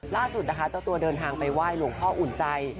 ล่าสุดนะคะเจ้าตัวเดินทางไปไหว้หลวงพ่ออุ่นใจ